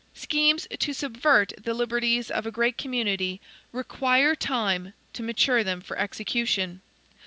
Schemes to subvert the liberties of a great community REQUIRE TIME to mature them for execution.